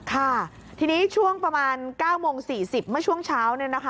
ค่ะทีนี้ช่วงประมาณ๙โมง๔๐เมื่อช่วงเช้า